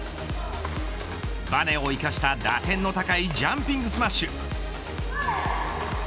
バネを生かした打点の高いジャンピングスマッシュ。